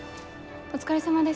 お疲れさまです。